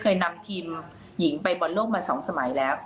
เคยนำทีมหญิงไปบอลโลกมา๒สมัยแล้ว